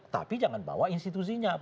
tapi jangan bawa institusinya